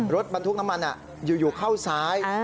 รถบรรทุกน้ำมันอยู่เข้าซ้าย